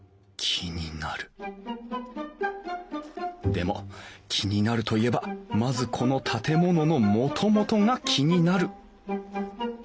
でも気になるといえばまずこの建物のもともとが気になる。